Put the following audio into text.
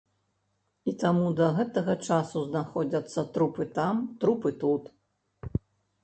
І таму да гэтага часу знаходзяцца трупы там, трупы тут.